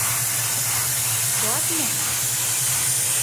— Пуат мо?